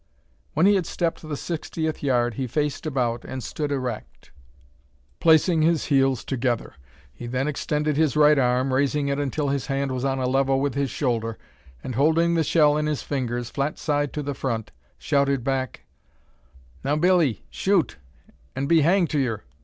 When he had stepped the sixtieth yard, he faced about, and stood erect, placing his heels together. He then extended his right arm, raising it until his hand was on a level with his shoulder, and holding the shell in his fingers, flat side to the front, shouted back "Now, Billee, shoot, and be hanged to yur!"